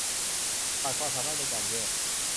ขาดความสามารถในการแยก